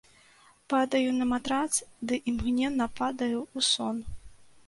Падаю на матрац ды імгненна падаю ў сон.